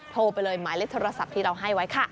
โทรไปเลยหมายเลขโทรศัพท์ที่เราให้ไว้ค่ะ